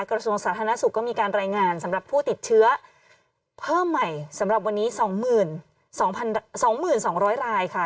กระทรวงสาธารณสุขก็มีการรายงานสำหรับผู้ติดเชื้อเพิ่มใหม่สำหรับวันนี้๒๒๒๐๐รายค่ะ